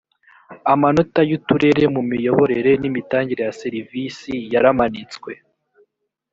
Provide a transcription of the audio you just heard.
amanota y uturere mu miyoborere n imitangire ya serivisi yaramanitswe